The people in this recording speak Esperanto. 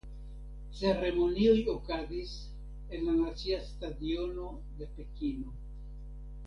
Ceremonioj okazis en la Nacia stadiono de Pekino.